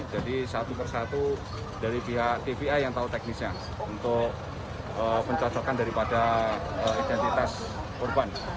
jadi satu persatu dari pihak dpi yang tahu teknisnya untuk mencocokkan daripada identitas korban